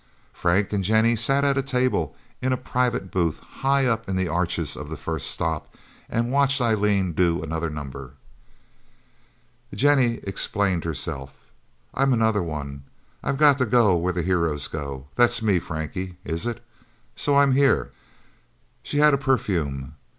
Frank and Jennie sat at a table in a private booth, high up in the arches of The First Stop, and watched Eileen do another number. Jennie explained herself. "I'm another one. I've got to go where the heroes go. That's me Frankie, is it? So I'm here..." She had a perfume.